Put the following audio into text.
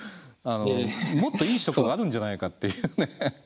もっといい職があるんじゃないかっていうね。